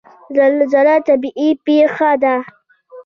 زلزله طبیعي پیښه ده